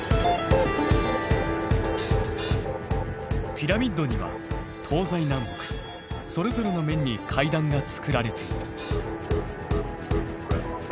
ピラミッドには東西南北それぞれの面に階段が造られている。